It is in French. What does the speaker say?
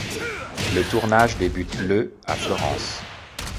Le tournage débute le à Florence.